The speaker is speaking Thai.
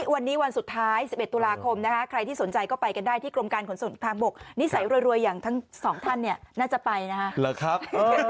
วันนี้วันสุดท้าย๑๑ตุลาคมนะคะใครที่สนใจก็ไปกันได้ที่กรมการขนส่งทางบกนิสัยรวยอย่างทั้งสองท่านเนี่ยน่าจะไปนะครับ